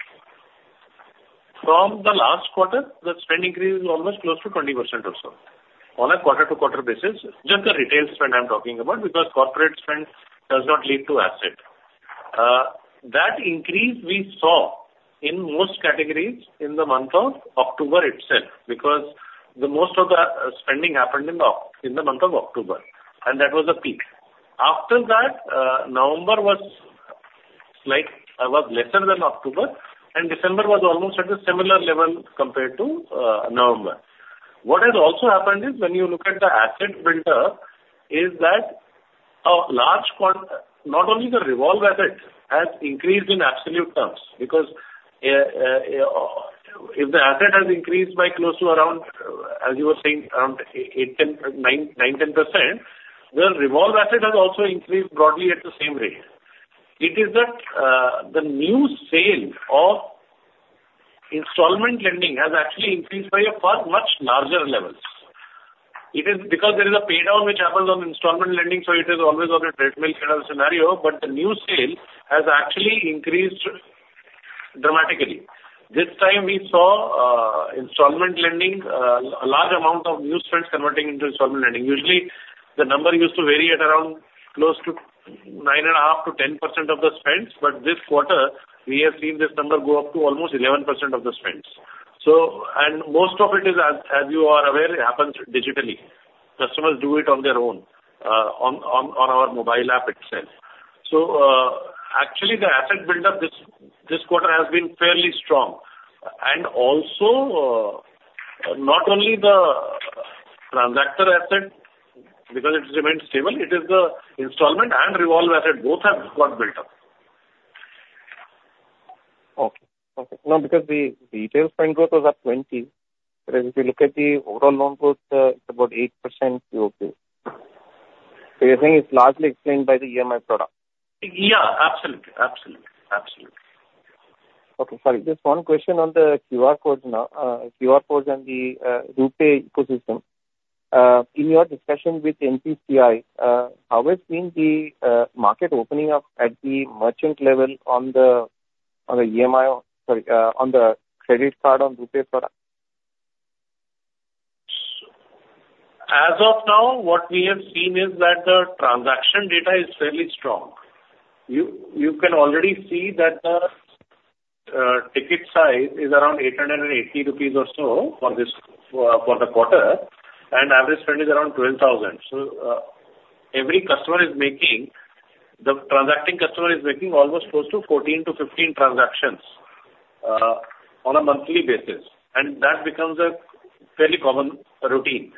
from the last quarter, the spend increase is almost close to 20% or so on a quarter-to-quarter basis. Just the retail spend I'm talking about, because corporate spend does not lead to asset. That increase we saw in most categories in the month of October itself, because the most of the spending happened in the October, in the month of October, and that was the peak. After that, November was like, was lesser than October, and December was almost at a similar level compared to November. What has also happened is when you look at the asset build up, is that a large part, not only the revolve asset, has increased in absolute terms. Because, if the asset has increased by close to around, as you were saying, around eight, 10, nine, nine, 10%, then revolve asset has also increased broadly at the same rate. It is that the new sale of installment lending has actually increased by a far much larger level. It is because there is a paydown which happens on installment lending, so it is always on a treadmill kind of scenario, but the new sale has actually increased dramatically. This time, we saw installment lending, a large amount of new spends converting into installment lending. Usually, the number used to vary at around close to 9.5%-10% of the spends, but this quarter, we have seen this number go up to almost 11% of the spends. So, and most of it is, as you are aware, it happens digitally. Customers do it on their own, on our mobile app itself. So, actually, the asset build-up this quarter has been fairly strong. And also, not only the transactor asset, because it remains stable, it is the installment and revolve asset, both have got built up. Okay. Okay. Now, because the retail spend growth was at 20, but if you look at the overall loan growth, it's about 8% QOQ. So you're saying it's largely explained by the EMI product? Yeah, absolutely. Absolutely. Absolutely. Okay, sorry. Just one question on the QR codes now, QR codes and the RuPay ecosystem. In your discussion with NPCI, how is seeing the market opening up at the merchant level on the, on the EMI, or sorry, on the credit card on RuPay product? As of now, what we have seen is that the transaction data is fairly strong. You can already see that the ticket size is around 880 rupees or so for this for the quarter, and average spend is around 12,000. So every customer is making the transacting customer is making almost close to 14-15 transactions on a monthly basis, and that becomes a fairly common routine.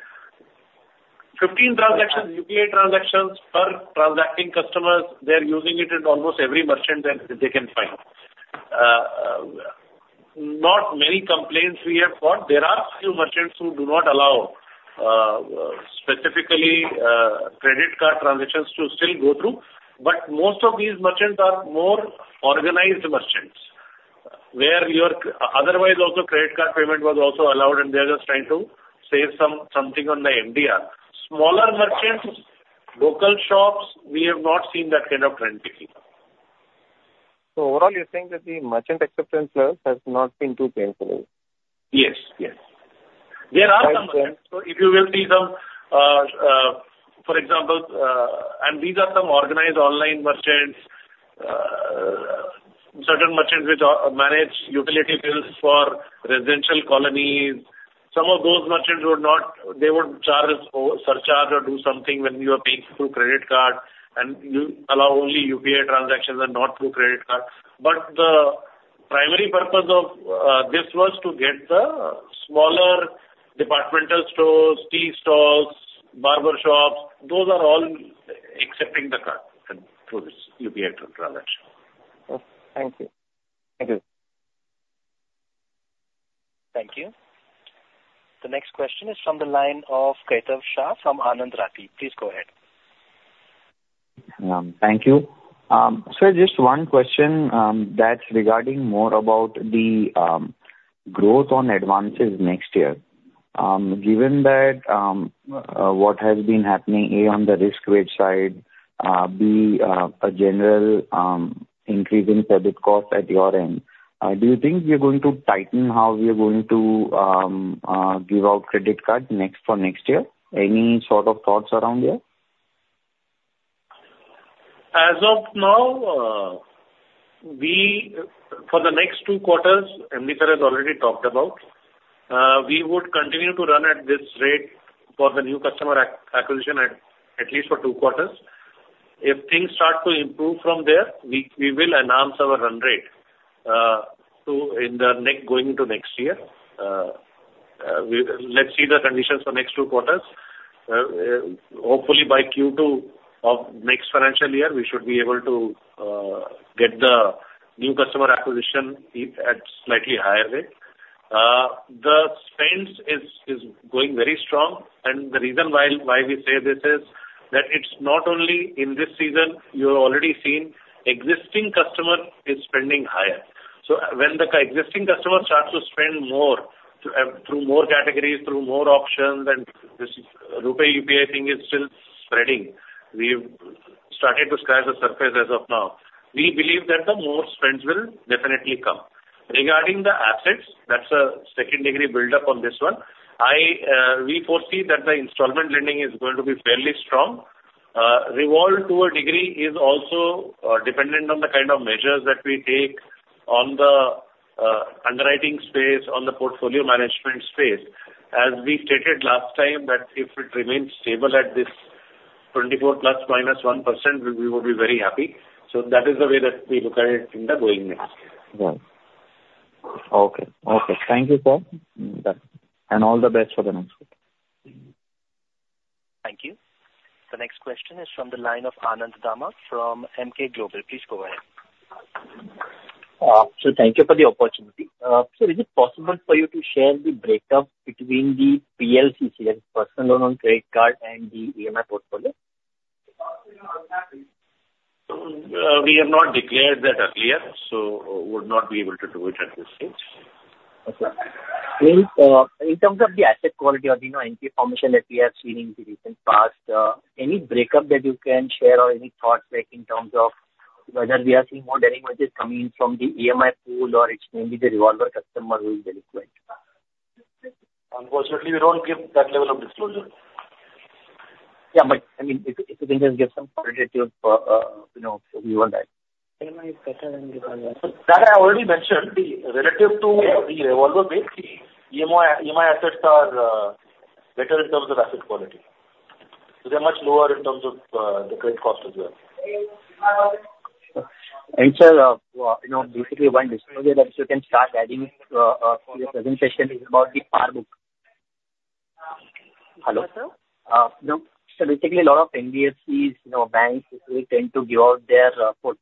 15 transactions, UPI transactions, per transacting customers, they're using it at almost every merchant that they can find. Not many complaints we have got. There are few merchants who do not allow specifically credit card transactions to still go through. But most of these merchants are more organized merchants, where you're otherwise also, credit card payment was also allowed, and they're just trying to save some, something on the MDR. Smaller merchants, local shops, we have not seen that kind of trend lately. Overall, you're saying that the merchant acceptance level has not been too painful? Yes, yes. There are some merchants, so if you will see some, for example, and these are some organized online merchants, certain merchants which manage utility bills for residential colonies. Some of those merchants would not - they would charge or surcharge or do something when you are paying through credit card, and you allow only UPI transactions and not through credit cards. But the primary purpose of this was to get the smaller departmental stores, tea stalls, barber shops, those are all accepting the card and through this UPI transaction. Okay. Thank you. Thank you. Thank you. The next question is from the line of Kaitav Shah from Anand Rathi. Please go ahead. Thank you. So just one question, that's regarding more about the growth on advances next year. Given that what has been happening, A, on the risk weight side, B, a general increase in credit cost at your end, do you think we are going to tighten how we are going to give out credit card next, for next year? Any sort of thoughts around there? As of now, for the next two quarters, Abhijit has already talked about, we would continue to run at this rate for the new customer acquisition at least for two quarters. If things start to improve from there, we will enhance our run rate to, in the next going into next year. Let's see the conditions for next two quarters. Hopefully, by Q2 of next financial year, we should be able to get the new customer acquisition rate at slightly higher rate. The spends is going very strong, and the reason why we say this is that it's not only in this season, you've already seen existing customer is spending higher. So when the existing customer starts to spend more, through more categories, through more options, and this RuPay, UPI thing is still spreading, we've started to scratch the surface as of now. We believe that the more spends will definitely come. Regarding the assets, that's a second degree buildup on this one. I, we foresee that the installment lending is going to be fairly strong. Revolve to a degree is also, dependent on the kind of measures that we take on the, underwriting space, on the portfolio management space. As we stated last time, that if it remains stable at this 24% ±1%, we, we would be very happy. So that is the way that we look at it in the going mix. Right. Okay. Okay, thank you, sir. And all the best for the next quarter. Thank you. The next question is from the line of Anand Dama, from Emkay Global. Please go ahead. Sir, thank you for the opportunity. Sir, is it possible for you to share the breakup between the PLC, personal loan on credit card and the EMI portfolio? We have not declared that earlier, so would not be able to do it at this stage. Okay. In terms of the asset quality or the, you know, NPA formation that we have seen in the recent past, any breakup that you can share or any thoughts, like, in terms of whether we are seeing more delinquencies coming from the EMI pool or it's mainly the revolver customer who is delinquent? Unfortunately, we don't give that level of disclosure. Yeah, but, I mean, if you, if you can just give some qualitative, you know, view on that. EMI is better than revolver. That I already mentioned. The relative to the revolver base, the EMI, EMI assets are better in terms of asset quality. So they're much lower in terms of the credit cost as well. Sir, you know, basically one disclosure that you can start adding for your presentation is about the PAR book. You know, so basically a lot of NBFCs, you know, banks, they tend to give out their, you know,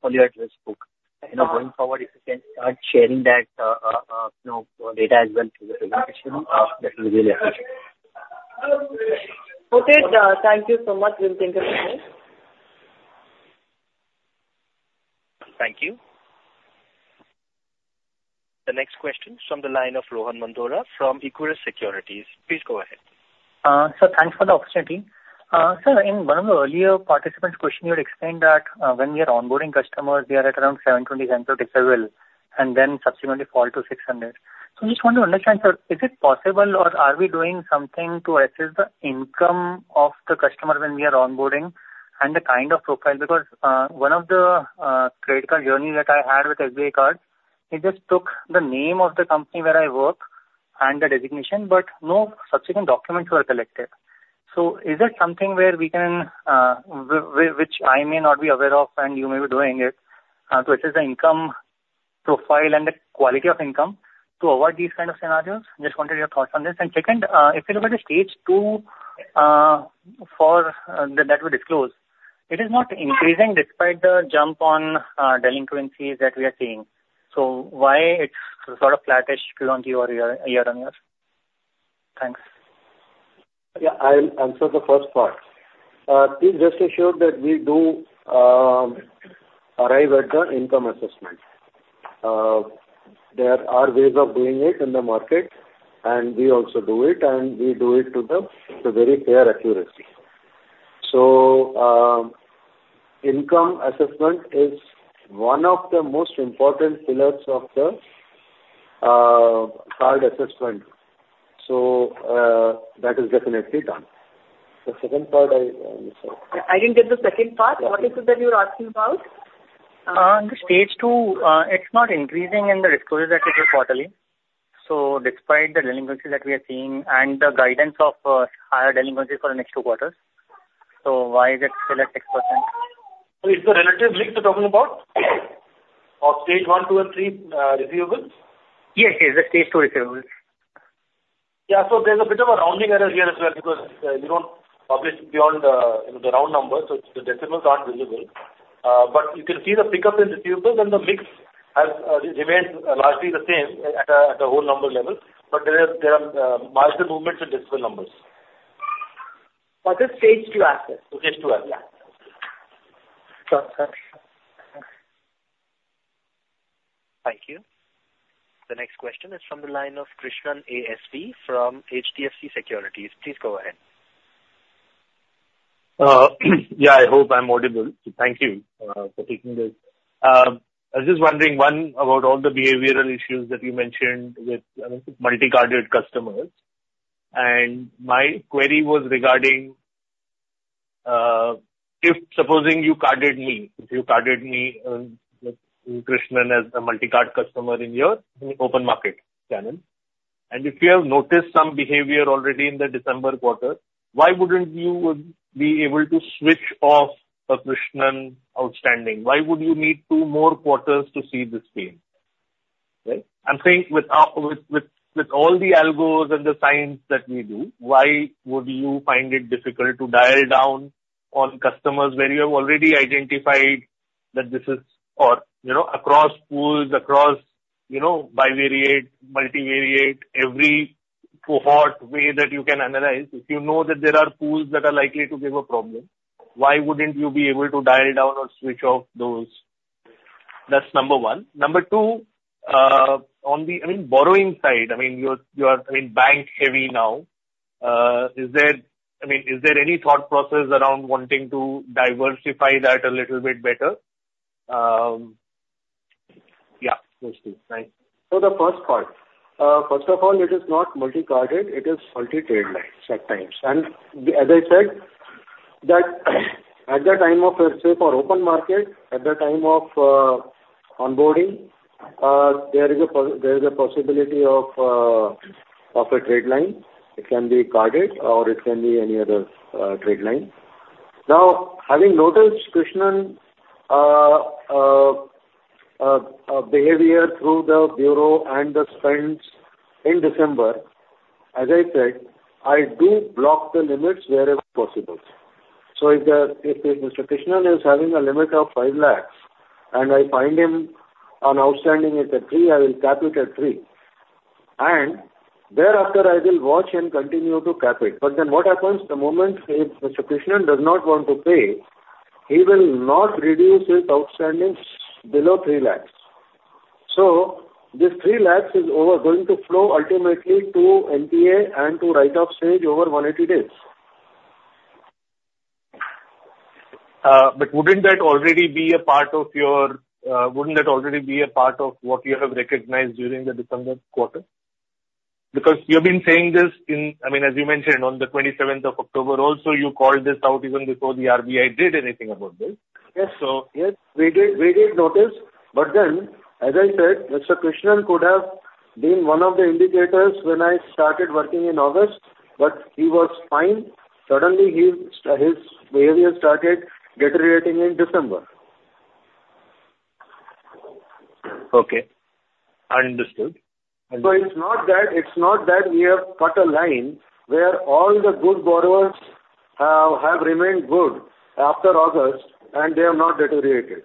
data as well to the presentation, that will be really helpful. Okay. Thank you so much. We'll think about it. Thank you. The next question from the line of Rohan Mandora from Equirus Securities. Please go ahead. Sir, thanks for the opportunity. Sir, in one of the earlier participants' question, you had explained that, when we are onboarding customers, we are at around 720 CIBIL, and then subsequently fall to 600. So I just want to understand, sir, is it possible or are we doing something to assess the income of the customer when we are onboarding and the kind of profile? Because, one of the credit card journey that I had with SBI Card, it just took the name of the company where I work and the designation, but no subsequent documents were collected. So is there something where we can, which I may not be aware of, and you may be doing it, to assess the income profile and the quality of income to avoid these kind of scenarios? Just wanted your thoughts on this. And second, if you look at the Stage 2 that we disclose, it is not increasing despite the jump on delinquencies that we are seeing. So why it's sort of flattish year-on-year, year-on-year? Thanks. Yeah, I'll answer the first part. Please rest assured that we do arrive at the income assessment. There are ways of doing it in the market, and we also do it, and we do it to very fair accuracy. So, income assessment is one of the most important pillars of the card assessment. So, that is definitely done. The second part, I miss. I didn't get the second part. What is it that you're asking about? The Stage 2, it's not increasing in the disclosures that you give quarterly. So despite the delinquencies that we are seeing and the guidance of higher delinquencies for the next two quarters, so why is it still at 6%? Is the relative mix you're talking about of Stage 1, 2, and 3 receivables? Yes, yes, the Stage 2 receivables. Yeah, so there's a bit of a rounding error here as well, because, we don't publish beyond, you know, the round numbers, so the decimals aren't visible. But you can see the pickup in receivables and the mix has remains largely the same at a, at a whole number level, but there is, there are, minor movements in decimal numbers. But this Stage 2 assets. Stage 2, yeah. Got that. Thank you. The next question is from the line of Krishnan ASV from HDFC Securities. Please go ahead. Yeah, I hope I'm audible. Thank you for taking this. I was just wondering, one, about all the behavioral issues that you mentioned with multi-carded customers. And my query was regarding if supposing you carded me, if you carded me, Krishnan, as a multi-card customer in your, in open market channel, and if you have noticed some behavior already in the December quarter, why wouldn't you be able to switch off a Krishnan outstanding? Why would you need two more quarters to see this change? Right? I'm saying with all the algorithms and the science that we do, why would you find it difficult to dial down on customers where you have already identified that this is... or, you know, across pools, across, you know, bivariate, multivariate, every cohort way that you can analyze, if you know that there are pools that are likely to give a problem, why wouldn't you be able to dial down or switch off those? That's number one. Number two, on the, I mean, borrowing side, I mean, you're, you are, I mean, bank-heavy now. Is there... I mean, is there any thought process around wanting to diversify that a little bit better? Yeah, those two. Thanks. So the first part. First of all, it is not multi-carded, it is multi-trade lines at times. And as I said, that at the time of, let's say, for open market, at the time of onboarding, there is a possibility of a trade line. It can be carded or it can be any other trade line. Now, having noticed Krishnan behavior through the bureau and the spends in December, as I said, I do block the limits wherever possible. So if Mr. Krishnan is having a limit of 5 lakh, and I find him on outstanding is at 3 lakh, I will cap it at 3 lakh and thereafter, I will watch and continue to cap it. But then what happens? The moment if Mr. Krishnan does not want to pay. He will not reduce his outstandings below 3 lakh. So this 3 lakh is over, going to flow ultimately to NPA and to write-off stage over 180 days. But wouldn't that already be a part of your, wouldn't that already be a part of what you have recognized during the December quarter? Because you've been saying this in, I mean, as you mentioned, on the twenty-seventh of October also, you called this out even before the RBI did anything about this. Yes. So, yes, we did, we did notice, but then, as I said, Mr. Krishnan could have been one of the indicators when I started working in August, but he was fine. Suddenly, his behavior started deteriorating in December. Okay, understood. So it's not that, it's not that we have cut a line where all the good borrowers have remained good after August, and they have not deteriorated.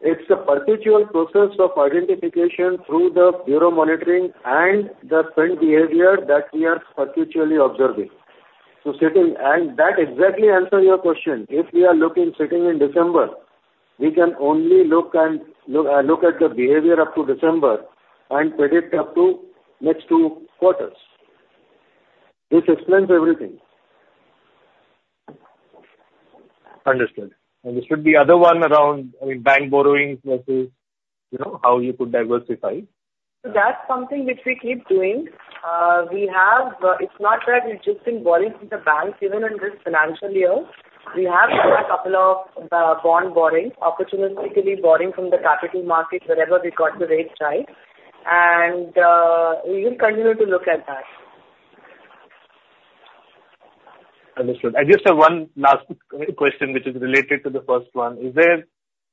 It's a perpetual process of identification through the bureau monitoring and the trend behavior that we are perpetually observing. So sitting and that exactly answer your question. If we are looking, sitting in December, we can only look at the behavior up to December and predict up to next two quarters. This explains everything. Understood. This should be other one around, I mean, bank borrowings versus, you know, how you could diversify. So that's something which we keep doing. We have, it's not that we've just been borrowing from the banks. Even in this financial year, we have done a couple of bond borrowings, opportunistically borrowing from the capital markets wherever we got the rates right, and we will continue to look at that. Understood. I just have one last question, which is related to the first one. Is there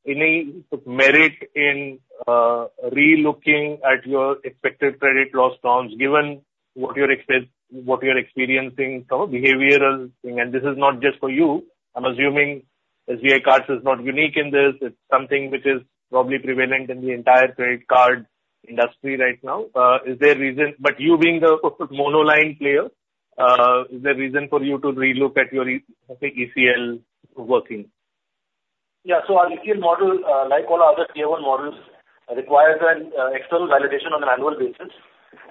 any merit in relooking at your expected credit loss terms, given what you're experiencing, kind of, behavioral thing? And this is not just for you. I'm assuming SBI Cards is not unique in this. It's something which is probably prevalent in the entire credit card industry right now. Is there a reason... But you being the monoline player, is there a reason for you to relook at your ECL working? Yeah, so our ECL model, like all other Tier 1 models, requires an external validation on an annual basis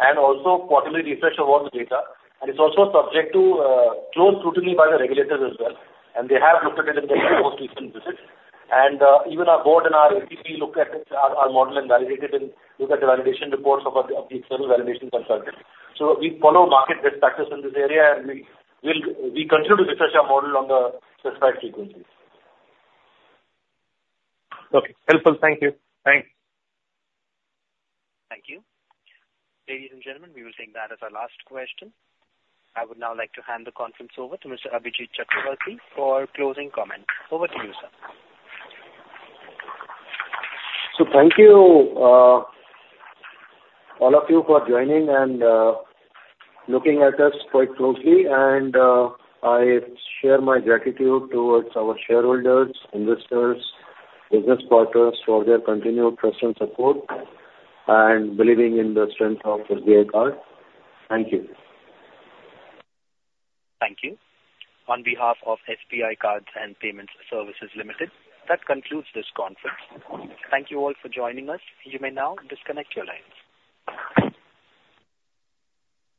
and also quarterly refresh of all the data. It's also subject to close scrutiny by the regulators as well, and they have looked at it in their most recent visits. Even our board and our ACB look at it, our model, and validate it and look at the validation reports of the external validation consultant. So we follow market best practice in this area, and we, we'll, we continue to refresh our model on the specified frequencies. Okay. Helpful. Thank you. Thanks. Thank you. Ladies and gentlemen, we will take that as our last question. I would now like to hand the conference over to Mr. Abhijit Chakravorty for closing comments. Over to you, sir. Thank you, all of you, for joining and looking at us quite closely. I share my gratitude towards our shareholders, investors, business partners for their continued trust and support and believing in the strength of SBI Card. Thank you. Thank you. On behalf of SBI Cards and Payment Services Limited, that concludes this conference. Thank you all for joining us. You may now disconnect your lines.